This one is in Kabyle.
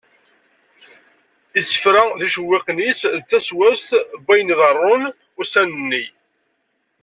Isefra d yicewwiqen-is d ttaswast n wayen iḍeṛṛun ussan nni.